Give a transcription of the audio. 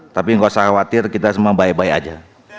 tapi nggak usah khawatir kita semua baik baik aja